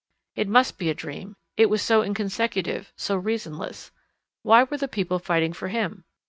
It must be a dream; it was so inconsecutive, so reasonless. Why were the people fighting for him?